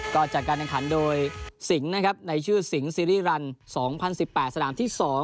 ต่อจากการแข่งขันโดยสิงศ์ในชื่อสิงศ์ซีรีส์รัน๒๐๑๘สนามที่๒